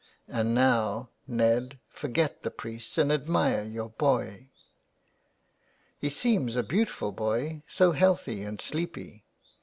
And now, Ned, forget the priest and admire your boy." " He seems a beautiful boy, so healthy and sleepy."